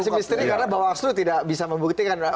masih misteri karena bahwa asru tidak bisa membuktikan